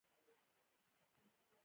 وې ملا ملا مار دی.